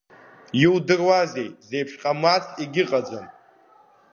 Иудыруазеи, зеиԥш ҟамлац егьы-ҟаӡам.